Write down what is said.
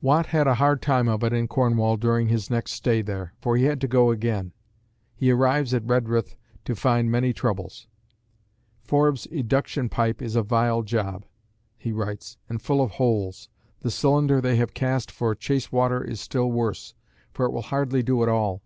Watt had a hard time of it in Cornwall during his next stay there, for he had to go again. He arrives at Redruth to find many troubles. Forbes' eduction pipe is a vile job, he writes, and full of holes. The cylinder they have cast for Chacewater is still worse, for it will hardly do at all.